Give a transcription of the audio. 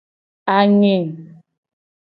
Ange.